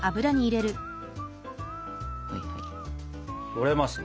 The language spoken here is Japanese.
とれますね。